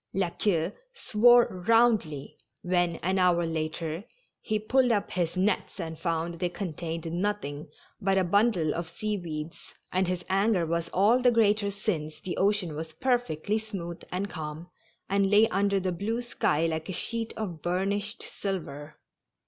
La Queue swore roundly, when, an hour TASTING THE DRINK. 217 later, he pulled up liis nets and found they contained nothing but a bundle of sea weeds, and his anger was all tlie greater since the ocean was perfectly smooth and calm, and lay under the blue sky like a sheet of bur nished silver.